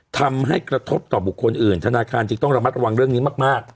ทำให้กระทบต่อบุคคลอื่นธนาคารจึงต้องระมัดระวังเรื่องนี้มาก